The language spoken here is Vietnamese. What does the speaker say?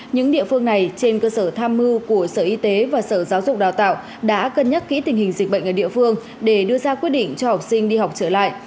những địa phương này trên cơ sở tham mưu của sở y tế và sở giáo dục đào tạo đã cân nhắc kỹ tình hình dịch bệnh ở địa phương để đưa ra quyết định cho học sinh đi học trở lại